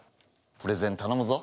プレゼンたのむぞ。